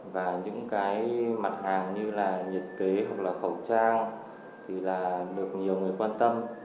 và những cái mặt hàng như là nhiệt kế hoặc là khẩu trang thì là được nhiều người quan tâm